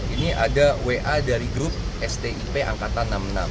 ini ada wa dari grup stip angkatan enam puluh enam